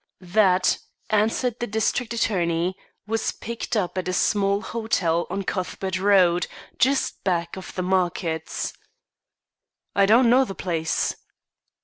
"That," answered the district attorney, "was picked up at a small hotel on Cuthbert Road, just back of the markets." "I don't know the place."